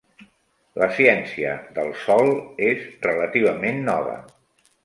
La ciència del sòl és relativament nova.